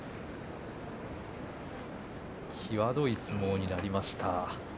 際どい相撲になりました。